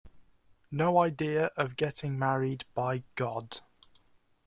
No idea of getting married, by God!